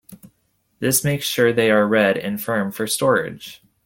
This makes sure they are red and firm for storage.